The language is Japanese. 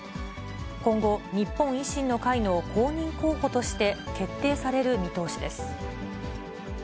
今後、日本維新の会の公認候補として、決定される見通しです。